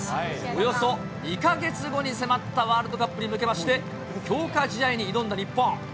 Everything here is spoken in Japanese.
およそ２か月後に迫ったワールドカップに向けまして、強化試合に挑んだ日本。